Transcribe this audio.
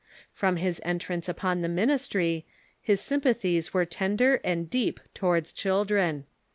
From his entrance upon the ministry his sympathies were tender and deep towards children.